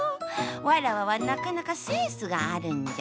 わらわはなかなかセンスがあるんじゃ。